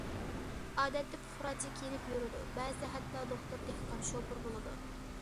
ئادەتتە، پۇقراچە كىيىنىپ يۈرىدۇ، بەزىدە ھەتتا دوختۇر، دېھقان، شوپۇر بولىدۇ.